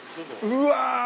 うわ！